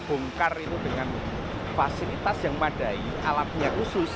bongkar itu dengan fasilitas yang memadai alatnya khusus